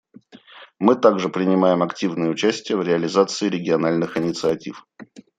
Мы также принимаем активное участие в реализации региональных инициатив.